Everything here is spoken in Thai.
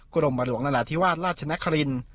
กรมหลวงละลาธิวาสรรค์ราชนครินต์